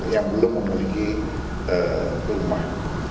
yang belum memiliki rumah